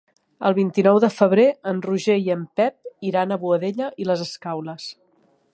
El vint-i-nou de febrer en Roger i en Pep iran a Boadella i les Escaules.